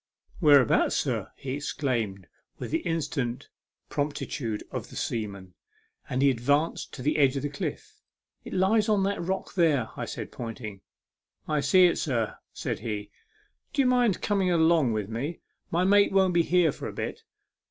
u Whereabouts, sir ?" he exclaimed with the instant promptitude of the seaman, and he advanced to the edge of the cliff. " It lies on that rock there," said I, pointing. " I see it, sir," said he. " D'ye mind coming along with me? My mate won't be here for a bit."